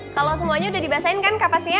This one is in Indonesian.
kalau semuanya udah dibahasain kan kapasnya